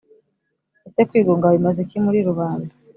ese kwigunga bimaze iki muri rubanda